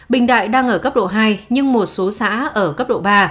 bình đại đang ở cấp độ hai nhưng một số xã ở cấp độ ba